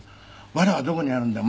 ワラはどこにあるんだ？